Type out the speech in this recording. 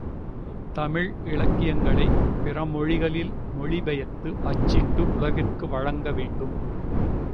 தமிழ் இலக்கியங்களைப் பிற மொழிகளில் மொழி பெயர்த்து அச்சிட்டு உலகிற்கு வழங்கவேண்டும்.